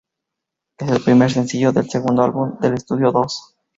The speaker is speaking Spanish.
Es el primer sencillo del segundo álbum de estudio "Dos".